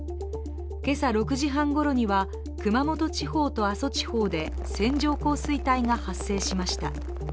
今朝６時半ごろには熊本地方と阿蘇地方で線状降水帯が発生しました。